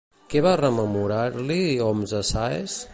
Què va rememorar-li Homs a Sáenz?